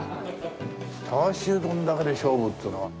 チャーシュー丼だけで勝負っつうのは。